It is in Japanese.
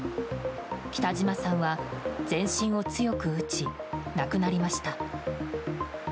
北島さんは全身を強く打ち亡くなりました。